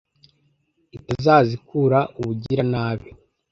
itazazikura ubugiranabi